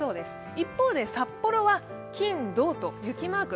一方で、札幌は金土と雪マーク。